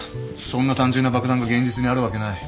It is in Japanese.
そんな単純な爆弾が現実にあるわけない。